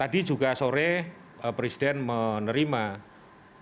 jadi saya berpikir saya berpikir saya berpikir saya berpikir saya berpikir saya berpikir